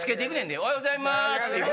「おはようございます」言うて。